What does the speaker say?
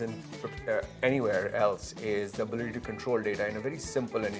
yang akan membantu mereka mengkontrol data mereka yang lebih baik